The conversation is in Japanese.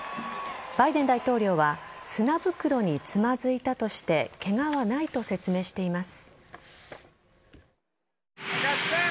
バイデン大統領は砂袋につまずいたとしてケガはないと説明しています。